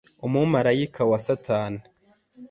umumarayika wa Satani